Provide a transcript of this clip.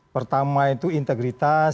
pertama itu integritas